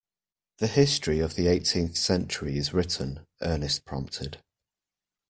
The history of the eighteenth century is written, Ernest prompted.